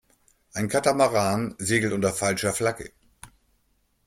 Ein Katamaran segelt unter falscher Flagge.